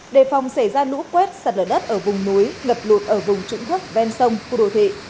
đề phòng xảy ra lũ quét sặt lở đất ở vùng núi lập lụt ở vùng trụng thức ven sông khu đồ thị